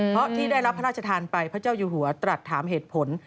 เพราะที่ได้รับพระราชทานไปพระเจ้าอยู่หัวตรัสถามเหตุผล